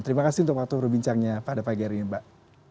terima kasih untuk waktu perbincangnya pada pagi hari ini mbak